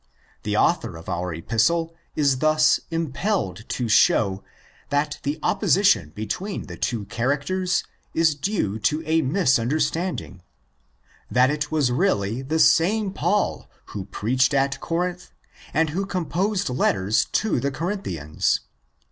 The author of our Epistle is thus impelled to show that the opposition between the two characters is due to ἃ misunderstanding ; that it was really the same Paul who preached af Corinth and who composed letters to the Corinthians.